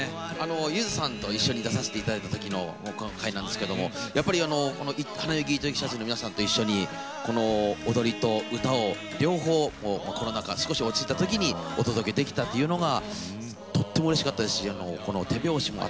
ゆずさんと一緒に出させて頂いた時の僕の回なんですけどもやっぱりこの花柳糸之社中の皆さんと一緒にこの踊りと歌を両方コロナ禍少し落ち着いた時にお届けできたっていうのがとってもうれしかったですしこの手拍子も温かかったですね。